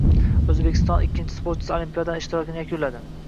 O‘zbekistonlik ikki sportchi Olimpiadadagi ishtirokini yakunladi